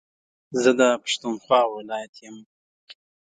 زه دا پښتونخوا ولايت يم